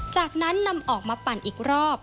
จากนั้นนำออกมาปั่นอีกรอบ